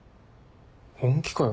本気かよ。